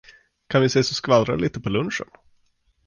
Kan vi ses och skvallra lite på lunchen?